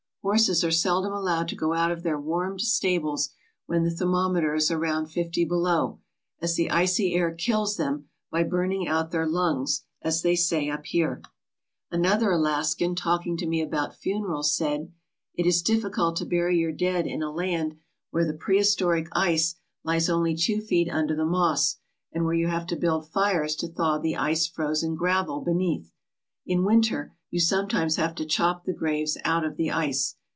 Horses are seldom allowed to go out of their warmed stables when the thermometer is around fifty below, as the icy air kills them by '"burning out" their lungs, as they say up here. Another Alaskan, talking to me about funerals, said: " It is difficult to bury your dead in a land where the ALASKAOUR NORTHERN WONDERLAND prehistoric ice lies only two feet under the moss, and where you have to build fires to thaw the ice frozen gravel beneath. In winter you sometimes have to chop the graves out of the Ice.